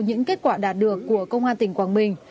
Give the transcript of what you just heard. những kết quả đạt được của công an tỉnh quảng bình